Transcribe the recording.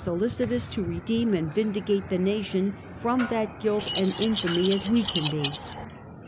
solicitous to redeem and vindicate the nation from that guilt and infamy as we can be.